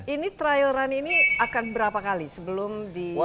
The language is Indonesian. ini trial run ini akan berapa kali sebelum di